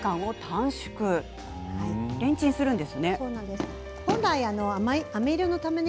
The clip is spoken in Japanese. レンチンするんですね。